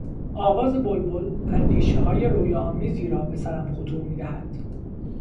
آواز بلبل اندیشههای رویاآمیزی را به سرم خطور میدهد.